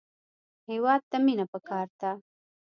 هېواد ته مینه پکار ده